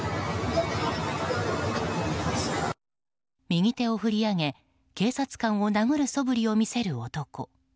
右手を振り上げ警察官を殴るそぶりを見える男。